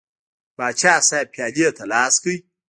پاچا صاحب پیالې ته لاس کړ.